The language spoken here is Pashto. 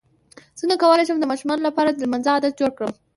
څنګه کولی شم د ماشومانو لپاره د لمانځه عادت جوړ کړم